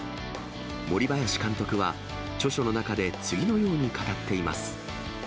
森林監督は、著書の中で次のように語っています。